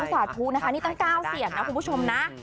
สาธุนะคะนี่ตั้ง๙เสียงนะคุณผู้ชมนะ